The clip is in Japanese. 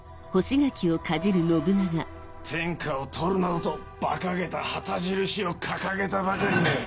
天下を獲るなどとバカげた旗印を掲げたばかりに。